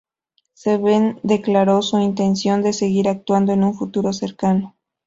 Seven declaró su intención de seguir actuando en un futuro cercano.